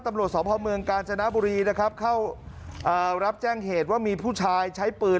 ตำรวจสพเมืองกาญจนบุรีนะครับเข้ารับแจ้งเหตุว่ามีผู้ชายใช้ปืน